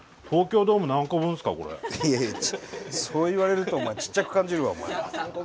いやいやそう言われるとちっちゃく感じるわお前。